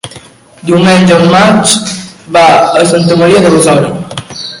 Diumenge en Max va a Santa Maria de Besora.